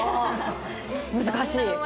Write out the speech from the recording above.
・難しい。